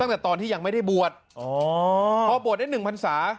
ตั้งแต่ตอนที่ยังไม่ได้บวชอ๋อพอบวชได้๑พันศา